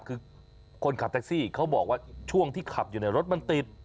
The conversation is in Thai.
คือคนขับแท็กซี่เขาบอกว่าช่วงที่ขับอยู่ในรถมันติด